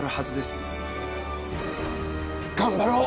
頑張ろう！